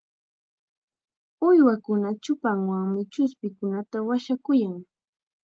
Uywakuna chupanwanmi chuspikunapita washakuyan.